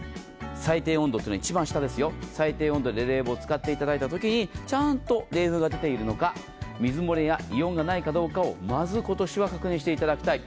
最低温度というのは一番下ですよ、最低温度で使っていただいたときにちゃんと冷風が出ているのか、水漏れや異音がないかどうかをまず今年は確認していただきたい。